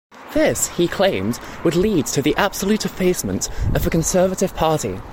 This, he claimed, would lead to "the absolute effacement of the Conservative Party".